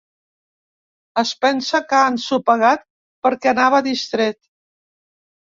Es pensa que ha ensopegat perquè anava distret.